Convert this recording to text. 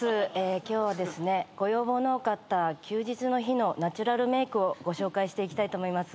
今日はですねご要望の多かった休日の日のナチュラルメークをご紹介していきたいと思います。